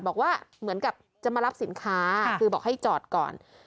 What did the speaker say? บอกว่าเหมือนกับจะมารับสินค้าคือบอกให้จอดก่อน